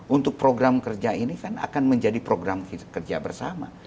untuk program kerja ini kan akan menjadi program kerja bersama